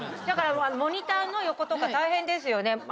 だからモニターの横大変ですよね。